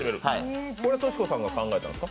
これはトシ子さんが考えたんですか？